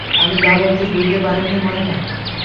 আমি যা বলছি বুঝতে পারেননি মনে হয়?